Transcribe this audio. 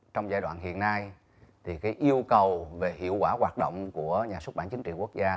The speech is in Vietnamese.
trong giai đoạn hiện nay yêu cầu về hiệu quả hoạt động của nhà xuất bản chính trị quốc gia